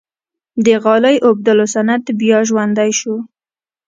د غالۍ اوبدلو صنعت بیا ژوندی شو؟